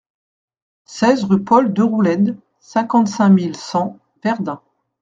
seize rue Paul Deroulède, cinquante-cinq mille cent Verdun